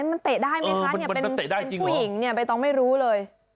มันเจ็บมั้ยมันเตะได้มั้ยคะเป็นผู้หญิงเนี่ยไปต้องไม่รู้เลย